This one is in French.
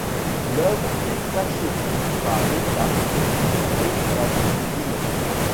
L'œuvre est achetée par l'État pour la ville de Dinan.